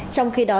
trong khi đó